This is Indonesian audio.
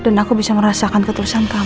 dan aku bisa merasakan ketulusan kamu